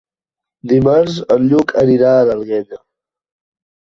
Dimarts en Lluc anirà a l'Alguenya.